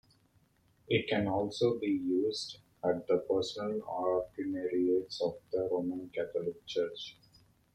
It can also be used at the Personal Ordinariates of the Roman Catholic Church.